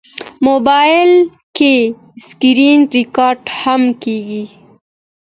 موبایل کې سکرینریکارډ هم کېږي.